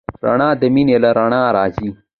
رڼا د مینې له زړه راځي.